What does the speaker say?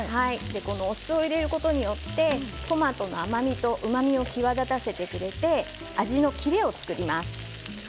お酢を入れることによってトマトの甘みとうまみを際立たせてくれて味の切れを作ります。